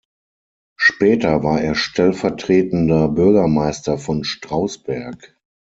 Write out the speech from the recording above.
Später war er stellvertretender Bürgermeister von Strausberg.